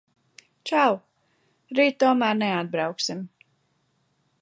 Čau! Rīt tomēr neatbrauksim.